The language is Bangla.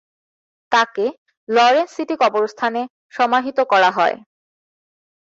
তাকে লরেনস সিটি কবরস্থানে সমাহিত করা হয়।